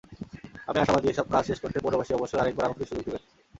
আমি আশাবাদী, এসব কাজ শেষ করতে পৌরবাসী অবশ্যই আরেকবার আমাকে সুযোগ দেবেন।